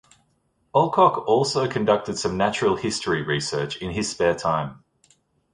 Alcock also conducted some natural history research in his spare time.